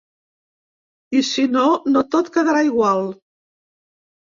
I si no, no tot quedarà igual.